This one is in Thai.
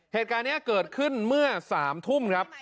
เหตุการณ์นี้เกิดขึ้นเมื่อ๓ทุ่มครับ